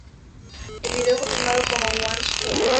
El video fue filmado como un one-shot.